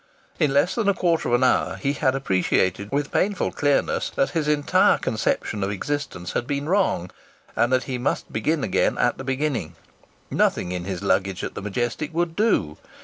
In less than a quarter of an hour he appreciated with painful clearness that his entire conception of existence had been wrong, and that he must begin again at the beginning. Nothing in his luggage at the Majestic would do.